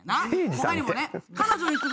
他にもね。